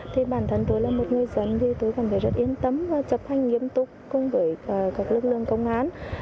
thì bản thân tôi là một người dân thì tôi cảm thấy rất yên tâm và chấp hành nghiêm túc cùng với các lực lượng công an